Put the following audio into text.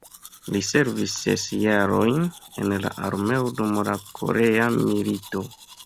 Li servis ses jarojn en la armeo dum la Korea milito.